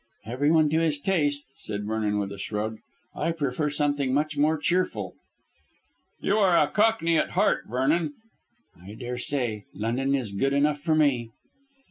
"Everyone to his taste," said Vernon with a shrug. "I prefer something much more cheerful." "You are a cockney at heart, Vernon." "I daresay. London is good enough for me."